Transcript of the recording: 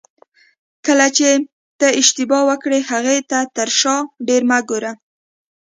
کله چې ته اشتباه وکړې هغې ته تر شا ډېر مه ګوره.